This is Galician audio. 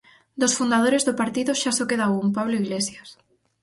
Dos fundadores do partido xa só queda un, Pablo Iglesias.